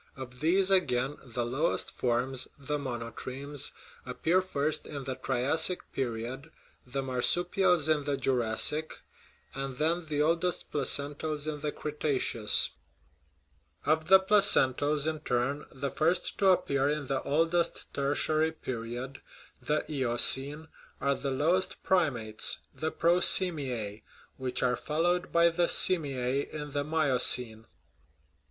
Of these, again, the lowest forms, the monotremes, appear first in the Triassic period, the marsupials in the Jurassic, and then the oldest placentals in the Cretaceous. Of the piacentals, in turn, the first to appear in the oldest Ter 83 THE RIDDLE OF THE UNIVERSE tiary period (the Eocene) are the lowest primates, the prosimiae, which are followed by the simiae in the Mio cene.